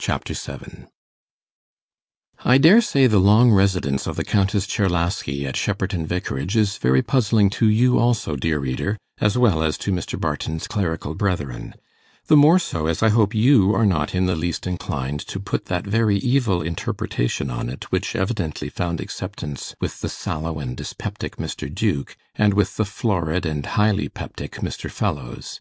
Chapter 7 I dare say the long residence of the Countess Czerlaski at Shepperton Vicarage is very puzzling to you also, dear reader, as well as to Mr. Barton's clerical brethren; the more so, as I hope you are not in the least inclined to put that very evil interpretation on it which evidently found acceptance with the sallow and dyspeptic Mr. Duke, and with the florid and highly peptic Mr. Fellowes.